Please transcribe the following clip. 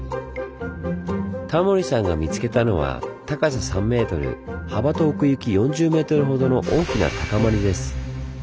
タモリさんが見つけたのは高さ３ｍ幅と奥行き４０ｍほどの大きな高まりです。